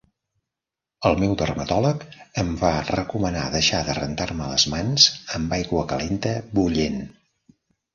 El meu dermatòleg em va recomanar deixar de rentar-me les mans amb aigua calenta bullent.